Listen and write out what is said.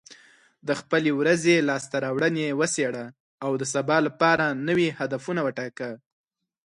د خپلې ورځې لاسته راوړنې وڅېړه، او د سبا لپاره نوي هدفونه وټاکه.